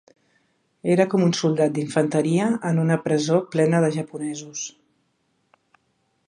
Era com un soldat d'infanteria en una presó plena de japonesos.